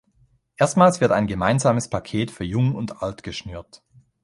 Erstmals wird ein gemeinsames Paket für Jung und Alt geschnürt.